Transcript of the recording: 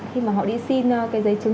khi mà họ đi xin cái giấy chứng